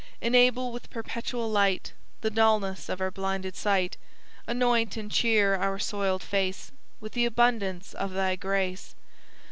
"'Enable with perpetual light The dulness of our blinded sight. Anoint and cheer our soiled face With the abundance of Thy grace.